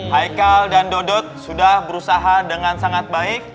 haikal dan dodot sudah berusaha dengan sangat baik